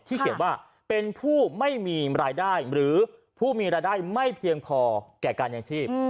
เขียนว่าเป็นผู้ไม่มีรายได้หรือผู้มีรายได้ไม่เพียงพอแก่การยังชีพ